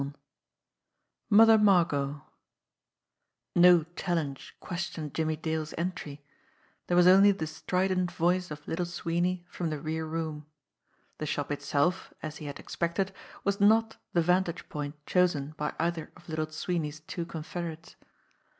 v MOTHER MARGOT NO challenge questioned Jimmie Dale's entry there was only the strident voice of Little Sweeney from the rear room. The shop itself, as he had expected, was not the vantage point chosen by either of Little Sweeney's two confederates.